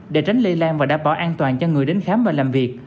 để tránh lây lan và đảm bảo an toàn cho người đến khám và làm việc